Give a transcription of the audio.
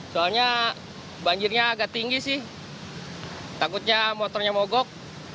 soalnya banjirnya agak tinggi sih takutnya motornya mogok